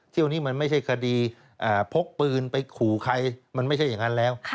เที่ยวนี้มันไม่ใช่คดีพกปืนไปขู่ใครมันไม่ใช่อย่างนั้นแล้ว